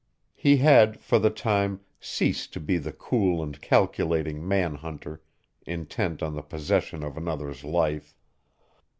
He had, for the time, ceased to be the cool and calculating man hunter intent on the possession of another's life.